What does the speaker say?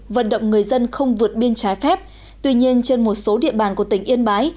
vận động người dân không vượt biên trái phép tuy nhiên trên một số địa bàn của tỉnh yên bái